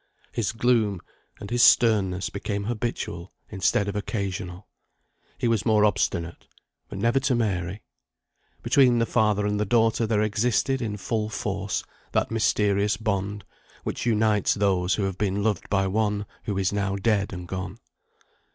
His gloom and his sternness became habitual instead of occasional. He was more obstinate. But never to Mary. Between the father and the daughter there existed in full force that mysterious bond which unites those who have been loved by one who is now dead and gone.